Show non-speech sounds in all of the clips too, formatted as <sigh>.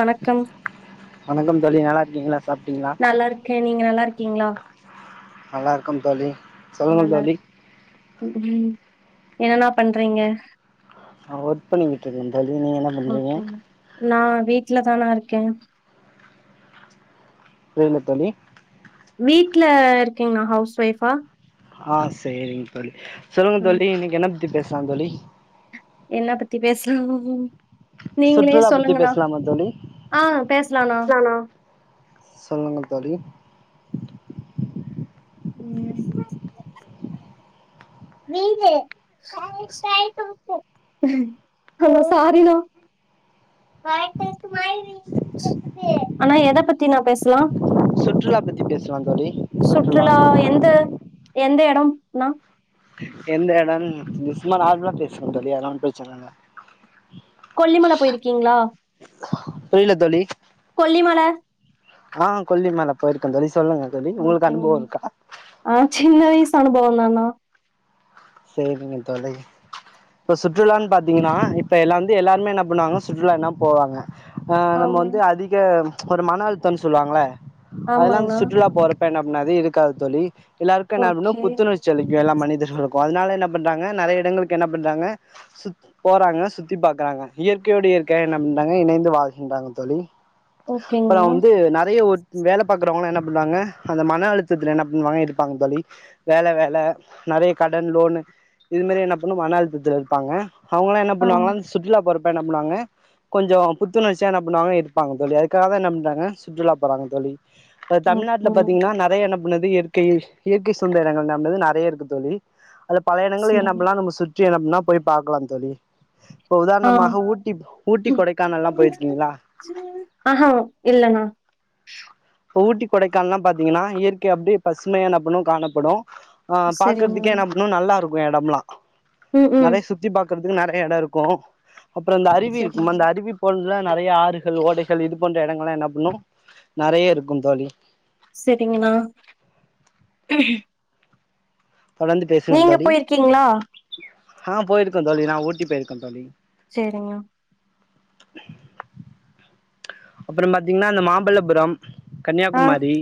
வணக்கம் வணக்கம் தோழி நல்லா இருக்கீங்களா சாப்ட்டீங்களா நல்லா இருக்கே நீங்க நல்லா இருக் கீங்களா நல்லாாரக்கம் தோழி சொல்லுங்க நல்லா தோழி உ ம் என்னன்னா பண்றீங்க நா ஒர்க் பண்ணிக்கிட்டு இருக்கே தோழி நீங்க என்ன பண்றீங்க கே ல த தோழி வீட்ல இருக்கீங்கண்ணா ஹவுஸ் ஒய்ஃபா ஆ செரிங்க தோழி சொல்லுங்க ம் தோழி இன்னைக்கு என்னப்பத்தி பேஸ் சங்கலி என்ன பத்தி பேசலா நீங்களே சுற்றுலா பத்தி சொல்லுங்கண்ணா பேசலாமா தோழி ஆ பேசலாம்ண்ணா நானா சொல்லுங்க தோழி ம் ஹா சாரினா அண்ணா எத பத்தினா பேசலா சுற்றுலா பத்தி பேசலா தோழி சுற்றுலா எந்த எந்த எடோ நா எந்த எடனு சும்மா நார்மலா பேசுற தோழி அதுனால ஒன்னு பிரச்சன இல்ல கொல்லிமல போயிருக்கீங்களா புரில தோழி கொல்லிமல ஆ கொல்லி மல போயிருக்கே தோழி சொல்லுங்க தோழி உங்களுக்கு ஓகேங்க அனுபவோ ஓகே இருக்கா ஆ சின்ன வயசு அனுபவந்தானா செரிங்க தோழி இப்ப சுற்றுலான்னு பாத்தீங்கன்னா இப்ப எல்லா வந்து எல்லாருமே என்ன பண்ணுவாங்க சுற்றுலா என்னா போவாங்க ஆ நம்ம ஆமா வந்து அதிக ஒரு மன அழுத்தம்னு சொல்லுவாங்கள அதுலா வந்து ஆமாங்கண்ணா சுற்றுலா போற ப்ப என்ன பன்னாது இருக்காது தோழி எல்லாருக்கு என்ன ஆகுன்ன ஓகே புத்துணர்ச்சி அளிக் இங்க எல்லா மனிதர்கலோ ஒரு நாளு என்ன பண்றாங்க நறைய எடங்களுக்கு என்ன பண்றாங்க சுத் போறாங்க சுத்தி பாக்கறாங்க இயற்கையோடு இயற்கைய என்ன பண்றாங்க இணைந்து வாழ்கின்றாங்க தோழி அப்புற ஓகேங்கண்ணா வந்து நறைய ஓ வேல பாக்கறவங்கலா என்ன பண்ணுவாங்க அந்த மன அழுத்தத்தில்ல என்ன பண்ணுவாங்க இருப்பாங்க தோழி வேல வேல நெறைய கடன் லோனு இது மாரி என்ன பண்ணு மன அழுத்தத்துல இருப்பாங்க அவுங்கல்ல என்ன ஆ பண்ணாங்களாம் சுட்ருலா போற ப்ப என்ன பண்ணுவாங்க கொஞ்ச புத்துணர்ச்சியா என்ன பண்ணுவாங்க இருப்பாங்க தோழி அதுக்காகதா என்ன பண்றாங்க சுற்றுலா போறங்க தோழி அ தமிழ்நாட்ல ஓகேண்ணா பாத்தீங்கன்னா நெறைய. என்னப் போனது இயற்கை இயற்கை சுந்தரங்கள்து நெறைய இருக்கு தோழி அது பழைய இடங்கள்க் என்ன சரிங்க பண்ல நம்ம சுத் த்தி என்னா பண்ண போய் பாக்கலா தோழி இப்போ ஆ உதாரணமாக ஊட்டி ஊட்டி ம் கொடைக்கானல்லாம் போயிருக்கீங்களா ஆஹ இல்லண்ணா இப்போ ஊட்டி கொடைக்கானல்லா பாத்தீங்கன்னா இயற்கை அப்டியே பசுமையா என்ன பண்ணும் காணப்படும் ஆ சரிங்கண்ணா பாக்கறதுக்கே என்ன பண்ணும் நல்லா இருக் வேடம்பல்ல ம் ம் நெறைய சுத்தி பாக் இருக்கறதுக்கு நெறைய எடம் இருக்கும் அப்புற அந்த அருவி இருக்கும் அந்த சரிங்கண்ணா அருவி போன்ற நெறைய ஆறுகள் ஓடைகள் இது போன்ற எடங்கள்லா என்ன பண்ணும் நெறைய இருக் கும் தோழி சரிங்கண்ணா தொடர்ந்து பேசுங்கள் நீங்க தோழி போயிருக்கீங்களா ஆ போயிருக்கே தோழி நா ஊட்டி போயிருக்கே தோழி சேரிங்க ம் அப்புற பாத்தீங்கன்னா இந்த மாம்பல்லபுரம் ஆ கன்னியாகுமரி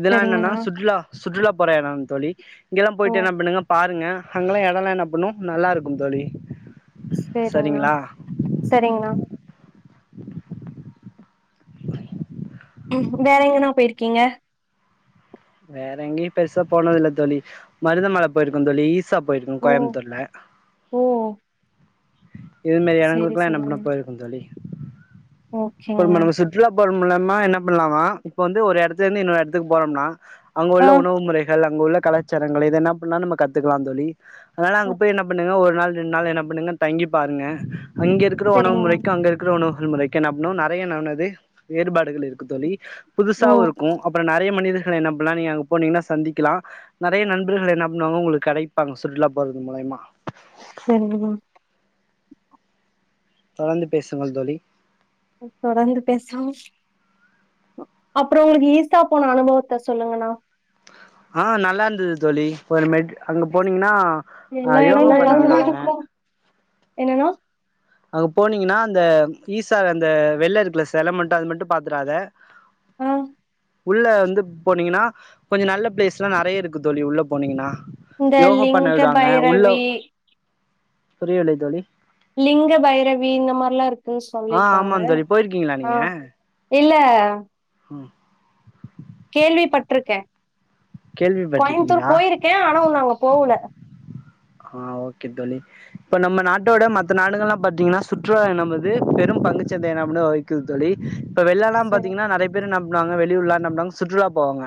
இதெல்லா என்னன்னா சரிங்கண்ணா சுற்றுலா சுற்றுலா போற எட தோழி இங்க தா ஓ போயிட்டு என்ன பண்ணுங்க பாருங்க அங்கெல்லா எடம்லா என்ன பண்ணும் நல்லா இருக்கும் தோழி சேரிங்ணா சரிங்களா சரிங்ணா <inaudible> ம் வேற எங்கன்னா போயிருக்கீங்க வேற எங்கேயு பெருசா போனதில்ல தோழி மருத மல போயிருக்கோ தோழி ஈசா போயிருக்கோ ஓ கோயம்புத்தூர்ல ஓ இதுமாரி இடங்களுக்லா ந முன்ன போயிருக்கே தோழி இப்ப நம்ம ஓகேயா நம்ம சுற்றுலா மூலமா என்ன பண்ணலாமா இப்ப வந்து ஒரு எடத்ல இருந்து இன்னொரு எடத்துக்கு போறோம்னா அங்க ஆ உள்ள உணவு முறைகள் அங்க உள்ள கலச்சாரங்கள் இத என்ன பண்ணா நம்ம கத்துக்லா தோழி அதனால அ அங்க போய் என்ன பண்ணுங்க ஒரு நாள் ரெண்டு நாள் என்ன பண்ணுங்க தங்கி பாருங்க அங்க இருக்ற ஒணவு சரிங்கண்ணா முறைக்கு அங்க இருக்ற ஒணு முதல்முறைக்குன இன்னு நெறய நனது வேறுபாடுகள் இருக்கு தோழி ஓ புதுசாவு இருக்கு அப்ற நெறய மனித என்ன பண்ண நீங்க அங்க போனீங்கனா சந்திக்கலா நெறய நண்பர்கள் என்னா பண்ணுவாங்க உங்களுக்கு கிடைப்பாங்க சுற்றுலா போறது மூலியமா சரிங்கணா தொடர்ந்து பேசுங்கள் தோழி தொடர்ந்து பேசும் அப்றோ உங்களுக்கு ஈசா போன அனுபவத்த சொல்லுங்கணா ஆ நல்லா இருந்தது தோழி ஒரு மெட் அங்க போனீங்கனா ஆ எல்லா யோகா பண்றாங்க என்னன்ணா அங்க போனீங்கனா அந்த ஈசால அந்த வெள்ள இருக்குல செல மட்டு அது மட்டு பாத்துறாத ஆ உள்ள வந்து போனீங்கனா கொஞ்ச நல்ல பிளேஸ் எல்லா நெறய இருக்கு தோழி உள்ள போனீங்கனா இந்த லிங்க பைரவி புரியலை தோழி லிங்க பைரவி இந்த மாரிலா இருக்கு ஆ ஆமாந்தோழி போயிருக்கீங்களா நீங்க இல்ல உம் கேள்வி பட்ருக்கே கோயமுத்தூர் கேள்விப்பட்டிருக்கீங்களா போயிருக்கே ஆன உ நாங்க போவல ஆ ஓகே தோழி இப்ப நம்ம நாட்டோட மத்த நாடுகள்ல்லா பாத்தீங்கன்னா சுற்றுலா என்பது பெரும் பங்குச்சந்தை என்ன அப்படனு வகிக்குது தோழி வெள்ளெல்லா சரி பாத்தீங்கன்னா நெறைய பேர் நம் நங்க வெளி ஊர்ல்லா நம்னக் சுற்றுலா போவாங்க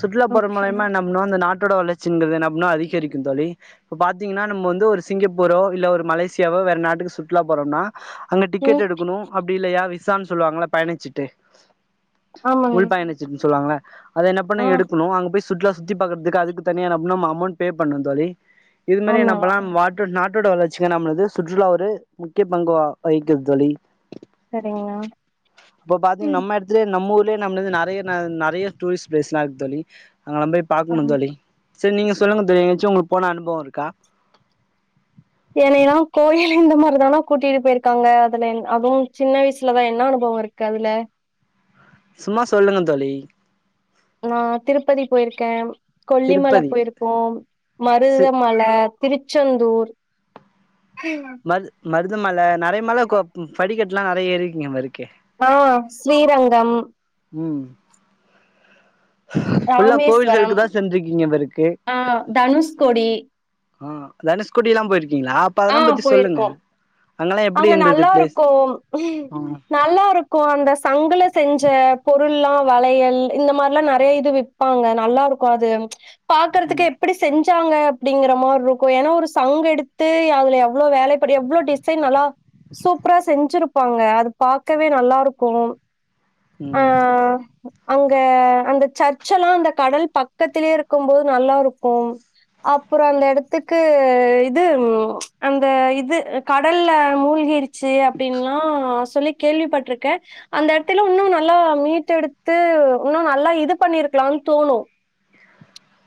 சுற்றுலாப்புற ஓகே மலயமா நம்னு அந்த நாட் ட்டோட வளர்ச்சிங்கிறது என்ன அப்னா அதிகரிக்கு தோழி இப்போ பாத்தீங்கன்னா நம்ம வந்து ஒரு சிங்கப்பூரோ இல்ல ஒரு மலேசியாவோ வேற நாட்டுக்கு சுற்றுலா போறோம்னா அங்க ம் டிக்கெட் எடுக்கணு அப்பிடி இல்லையா விஷ விஸான்னு சொல்லுவாங்கள பயணிச்சீட்டு ஆமாங்க உள் பயணச்சீட்டுன்னு சொல்லுவாங்களா அத என்ன பண்ண ஆ எடுக்கணு அங்க போய்ஸ் சுற்றுல சுத்தி பாக்கறதுக்கு அதுக்கு தனியா நம்மளு அமௌண்ட் பே பண்ணு தோழி இது மாரி ஆமாண்ணா நம்பலா வாட்ர் நாட் ட்தோட வளர்ச்சிக்க நம்லுது சுற்றுலா ஒரு முக்கிய பங்கு வகிக்து தோழி சரிங்கண்ணா இப்ப பாத்தீங் நம்ம இடத்துல நம் ல்லே நம்லுது நெறைய நெறைய டூரிஸ்ட் பிளேஸ்ல்லா இருக்கு தோழி அங்கெல்லா போய் பாக்கணு தோழி சேரி நீங்கள் சொல்லுங்க தோழி எங்காச்சும் உங்களுக்கு அனுபவக்கு <inaudible> என்னையல்லா கோயில் இந்த மாரிதானா கூட்டிட்டு போயிருக்காங்க அதுல அதுவும் சின்ன வயசுலதா என்ன அனுபவ இருக்கு அதுல சும்மா சொல்லுங்க தோழி நா திருப்பதி போயிருக்கே கொல்லிமல திருப்பதி போயிருக்கு சி மருதமல திருச்செந்தூர் <inaudible> மரு மருதமல நெறைய மல கோ படிக்கட்டலா நெறைய இருக்கீங்க ம இருக்கு ஆ ஸ்ரீரங்கம் ம் ஃபுல்லா ராமேஸ்வரம் கோவில்களுக்கு தா சென்றிருக்கீங்க போல இருக்கு அ தனுஷ்கோடி ஆ தனுஷ்கோடில்லா போயி க்கீங்களா அப்ப ஆ அதெல்லா பத்தி சொல்லுங்க போயிருக்கோ அங்கெல்லா எப்டி அங்க இருந்தது நல்லா பிளேஸ் இருக்கு ம் நல்லா இருக்கு அந்தஸ் சங்குல செஞ்ச பொருல்லா வளையல் இந்த மாரில்லா நெறைய இது விப்பாங்க நல்லா இருக்கு அது பாக்கறதுக்கு ம் எப்டி செஞ் சவுங்க அப்டிங்கிற மார்ருக்கும் ஏனா ஒரு சங்க எடுத்து அதுல எவ்ளோ வேல படு எவ்ளோ டிஸ் சைன் நல்லா சூப்பரா செஞ்சிருப்பாங்க அது பாக்கவே நல்லாருக்கும் ம் அங்க அந்த சர்ச்செல்லா அந்த கடல் பக்கத்திலே இருக்கும் போது நல்லாருக்கும் அப்றோ அந்த எடத்துக்கு இது அந்த இது கடல்ல மூழ்கி இருக் சி அப்டின்லா சு சொல்லி கேள்விப்பட்ருக்க அந்த எடத்துல உன்னும் நாத் நல்லா மீட்டெடுத்து உன்னும் நல்லா இது பண்ணிருக்லானு தோணும்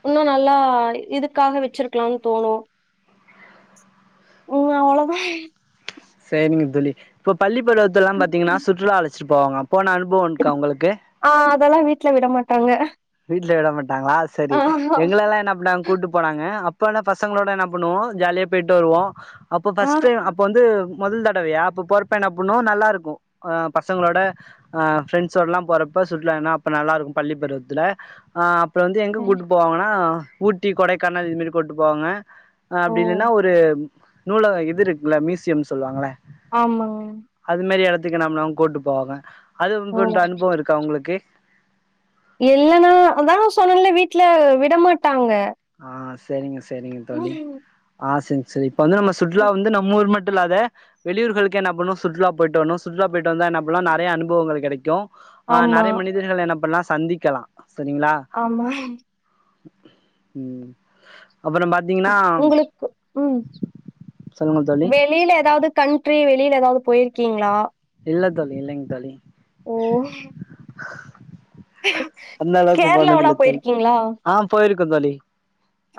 உன்னும் நல்லா இதுக்காக வச்சிருக்லானு தோணும் ம் அவ்ளோதா செரிங்க தோலி இப்போ பள்ளிப் பருவத்துலா பாத்தீங்கனா சுற்றுலா அழச் சீ போங்காப் ஆ அதெல்லா வீட்ல விட மட் டங்க வீட்ல விட மட் டாங்ளா செரி எங்கலலா என்ன பன்னாங் கூட்டு போனாங்க அப் இப்பனா பசங்ளோட என்ன பண்ணுவோ ஜாலியா போய்ட்டு வருவோ அப்போ ஆ. ஃபர்ஸ்ட் டையோ அப்ப வந்து முதல் தடவையா அப்போ போறப்ப என்ன புன்னும் நல்லாருக்கும் ஆ பசங்களோட ஆ ஃபிரண்ட்ஸோடலா போறப்ப சுற்றுலானா அப்ப நல்லாருக்கும் பள்ளி பருவத் துல ஆ இப்ப வந்து எங்க சரி. கூட்டு போவாங்கனா ஊட்டி கொடைக்கானல் இதுமாரி கூட்டு போவாங்க அ ஓ! அப்டி இல்லனா ஒரு நூலக இதுருக்குல மியூசியம்னு சொல்லுவாங்கள ஆமாங் இதுக்கு நம் நம் கூட்டு போவாங்க அது போன்ற அனுபவம் இருக்கா உங்ளுக்கு இல்லனா அதா நா சொன்னல வீட்ல விடமாட்டாங்க ஆ செரிங்க செரிங்க தோழி ம். ஆ சென் செரி இப்ப வந்து நம்ம சுற்றுலா வந்து நம்ம ஊர் மாரி தில்லாத வெளியூர்களுக்கு என்ன பண்ணு சுற்றுலா போய்டு வர்னு சுற்றுலா போய்ட்டு வந்தா நம்புள்ளா நறைய அனுபவங்கள் கெடைக்கும் ஆ ஆமா நறைய மனிதர்கள் என்ன பண்லா சந்திக்கலா சரிங்களா ஆமா ம் ம் அப்புறோ பாத்தீங்கன்னா உங்களுக்கு ம் சொல்லுங்க தோழி வெளில எதாவ்து கண்ட்ரி வெளில எதாது போயிருக்கீங்ளா இல்ல தோழி இல்லைங் தோழி ஓஹ் அந்த அளவுக்கு கேரளாவுலா போயிருக்கீங்ளா? க்கந்‌ தோழி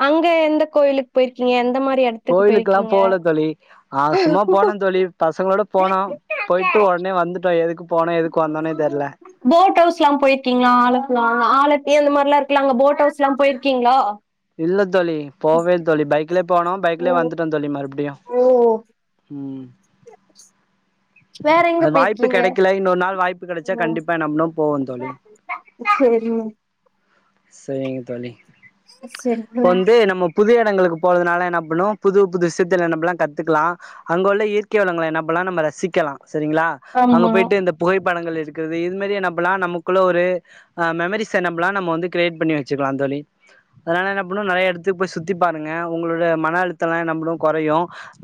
அங்க எந்த கோயிலுக் போயிருக்கீங்க எந்த மா கோயிலுக்குல்லா போல தோழி ஆ‌ சும்மா போனொ தோழி பசங்களோட போனோ போயிட்டு ஒடனே வந்துட்டோ எதுக்கு போனோ எதுக்கு வந்தோனே தெர்ல போட் ஹவுஸ்லா போயிருக்கிங்ளா ஆலப்புழா ஆலப்பியு அந்த மார்லா இரு க்ல அங்க போட் ஹவுஸ்லா போயிருக்கிங்ளா? இல்ல தோழி போவே தோழி பைக்லே போனோ பைக்லே ம். வந்துட்டோ தோழி மறுப்டியு ஓ! ம் <inaudible> வேற எங்க அ வாய்ப்பு போயிருக்கீங்க? கெடைக்கல இன்னொரு நாள் வாய்ப்பு கெடச்சா ஓ! கண்டிப்பா நம்ளு போவோ தோழி சரிங்க. செரிங்க தோழி இப்ப சரிங்களா. வந்து நம்ம புதிய எடங்களுக்கு போறதுனால என்ன பண்ணுவொ புது புது விஷ்யத்துல நம்பல்லா கத்துக்கலா அங்க உள்ள இயற்கை வளங்கள‌ என்ன பண்லா நம்ம ரசி க்கெலா செரிங்களா அங்க ஆமா. போயிட்டு இந்த புகை படங்கள் எடுக்குறது இது மாரி என்னா பண்லா நமக்குள்ள ஒரு அ மெமரிஸ என்ன பல்லா நம்ம வந்து கிரியேட் பண்ணி வச்சுக்கலா தோழி அதுனால என்ன பண்வொ நறைய எடத்துக்கு போய் சுத்தி பாருங்க உங்ளோட மன அழுத்தல்லா என்ன பண்ணு கொறையு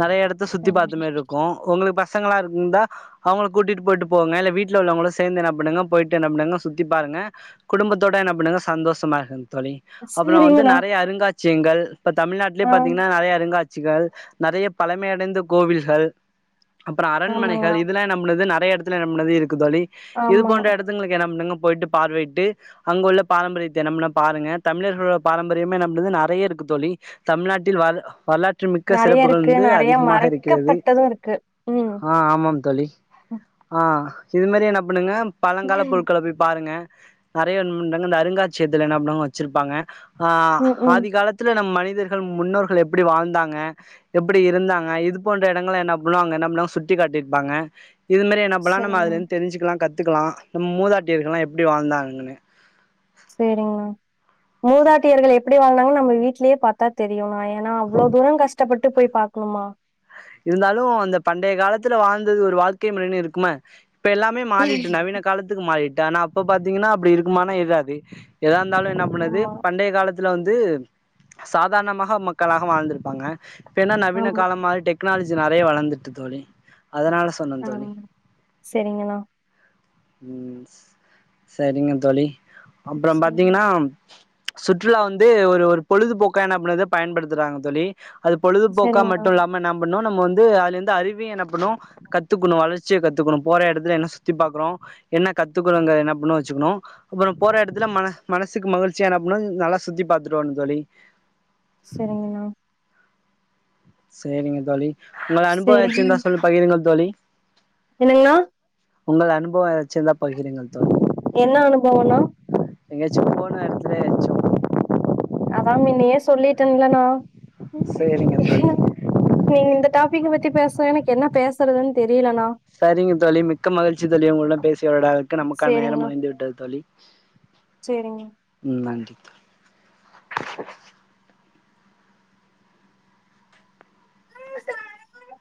நறைய எடத்த சுத்தி ம். பாத்த மாரி இருக்கு ஒங்களுக்கு ப சங்களா இரு ந்தா அவங்கள கூட்டிட்டு போயிட்டு போங்க இல்ல வீட்ல உள்ளவுங்களு சேந்து என்ன பண்ணுங்க போயிட்டு என்ன பண்ணுங்க சுத்தி பாருங்க குடும்பத்தோட என்ன பண்ணுங்க சந்தோஷமா இருங் தோழி அப்புற வந்து சரிங்கண்ணா. நெறைய அருங்காட் ஷியங்கள் இப்ப தமிழ்நாட்லே ஆ பாத்தீங்னா நறைய அருங்காட் சிகள் நறைய பழமையடைந்த கோவில்கள் அப் அரண்மனைகள் ஆமாங்கண்ணா. இது எல்லா நம்பளது ந நறைய எடத்துல நம்மளது இருக் கு தோழி இது ஆமா. போன்ற எடத்துங்களுக்கு என்ன பண்ணனு போயிட்டு பார்வையிட்டு அங்கு உள்ள பாரம்பரியத்தை நம்ன பாருங்க தமிழர்கள பாரம்பரியமே நம்மளது நெறைய இருக்கு தோழி தமிழ்நாட்டில் வாழு வள நறைய இருக்கு நறைய மறைக்கப்பட்டதும் இருக்கு ம் ஆ ஆமா தோழி ஆ இது மாரி என்ன பண்ணுங்க பழங்கால பொருட்கள போய் பாருங்க நெறையாங்க இந்த அருங்காட்சியத்துல ன்ன பண்ணுவாங்க வச்சிருப்பாங்க ஆ ம் ம் ஆதிகாலத்துல நம் மனித இது முன்னோர்கள் எப்டி வாழ்ந்தாங்க எப்டி இருந்தாங்க இது போன்ற எடங்கலா என்ன பண்ணுவாங்க என்ன பண்ணு சொ சுத்தி காட்டிருப்பாங்க இது மாரி என்ன பண்லா நம்ம சரிங்க அதுலந்து தெரிஞ்சிக்கலா கத் கத்துக்கலா நம் மூதாட்டியர்கெல்லா எப்டி வாழ்ந்தாங்கன்னு சேரிங்கண்ணா மூதாட்டியர்கள் எப்டி வாழ்ந்தங்க நம்ம வீட்லயே பார்த்தா தெரியுண்ணா ஏன்னா அவ்வள. தூரம் கஷ்டப்பட்டு போய் பாக்கணுமா இருந்தாலு அந்த பண்டைய காலத்துல வாழ்ந்தது ஒரு வாழ்க்கை முறனு இருக்குமா இப்ப எல்லாமே மாறிட்டு நவீன காலத்துக் மாறிட் டானா அப்ப பாத்தீங்கன்னா அப்டி இருக்குமன்ன இருக்காது ஏதாவ இருந்தாலு என்ன பண்ணது ஆமா பண்டைய காலத் இதுல வந்து சாதாரணமாக மக்களாக வாழ்ந்துருப்பாங்க. ஏனா நவீன ஆமா கால மாறிட்டேப் டெக்னாலஜி நெறைய வளந்துருக்கு தோழி அதனால சொன்னே தோழி ஆமா செரிங்கண்ணா ம் ம் சேரிங்க தோழி அப்புற சரிங்க பாத்தீங்கன்னா சுற்றுலா வந்து ஒரு ஒரு பொழுதுபோக்க என்ன பண்ணுது பயன்படுத்துறாங்க தோழி அது பொழுதுபோக்கா செரிங்கண்ணா மட்டு இல்லாம நம்ப நோட் நம்ம வந்து அதுலருந்து அருவிய என்ன பண்ணும் கத்துக்கணு வளர்ச்சிய கத்துக்கணும் போற எடத்துல என்ன சுத்தி பாக்கறோ என்ன கத்துக்குறோங்க என்ன பண்ணு வச்சுக்கணு அப்ற போற இடத்துல மனசுக்கு மகிழ்ச்சியா என்ன பண்ணு நல்லா சுத்தி பாத்துட்டு வரனு தோழி சரிங்கணா சேரிங்க தோழி உங்க அனுபவ ஏதாச்சு இருந்தா சொல்லி பகிருங்க தோழி ஏனுங்கண்ணா உங்கள் அனுபவ அனுபவ ஏதாச்சு இருந்தா பகிருங்க தோழி என்ன அனுபவணா எங்காச்சு போன எடத்ல எதாச்சு அதா முன்னேயே சொல்லிட்டு இருந்தே ணா சேரிங்க தோழி நீங்க இந்த டாபிக் பத்தி பேசுனா எனக்கு என்ன பேசுறதுனு தெரிய சரிங்க தோழி மிக்க மகிழ்ச்சி தோழி உங்களோட பேசியவரடாக இருக்கு நமக்கான நேரம் முடிந்து விட்டது தோழி சேரிங்க <inaudible> உ <unintelligible>